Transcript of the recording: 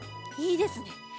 いいですね。